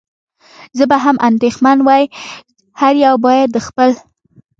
زه به هم اندېښمن وای، هر یو باید د خپل.